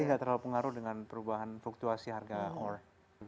jadi tidak terlalu terpengaruh dengan perubahan fluktuasi harga ore